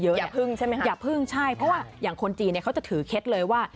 อย่าพึ่งใช่ไหมอย่าพึ่งใช่เพราะว่าอย่างคนจีนเนี่ยเขาจะถือเคล็ดเลยว่า